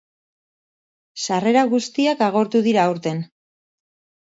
Sarrera guztiak agortu dira aurten.